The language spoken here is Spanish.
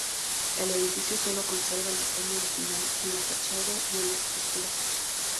El edificio solo conserva el diseño original en la fachada y en la estructura.